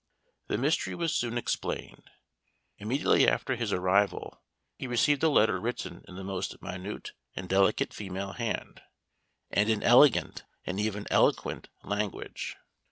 The mystery was soon explained. Immediately after his arrival he received a letter written in the most minute and delicate female hand, and in elegant and even eloquent language.